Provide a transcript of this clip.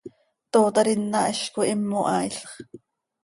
¡Tootar ina hizcoi himo haailx!